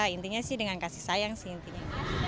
intinya sih dengan kasih sayang sih intinya